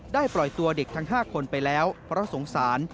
ปล่อยตัวเด็กทั้ง๕คนไปแล้วเพราะสงสาร